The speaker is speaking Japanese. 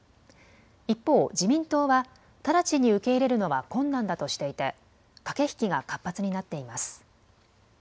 一方、自民党は直ちに受け入れるのは困難だとしていて駆け引きが活発になっています。